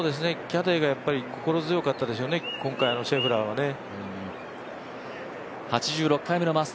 キャディーが心強かったでしょうね、今回のシェフラーはね。